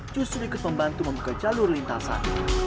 justru ikut membantu membuka jalur lintasan